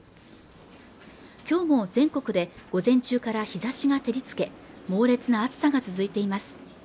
今日も全国で午前中から日差しが照りつけ猛烈な暑さが続いています